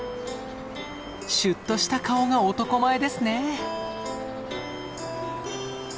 シュッとした顔が男前ですね。